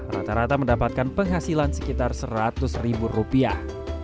rata rata mendapatkan penghasilan sekitar seratus ribu rupiah